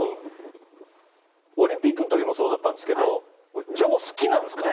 オリンピックのときもそうだったんですけど、女王好きなんですね。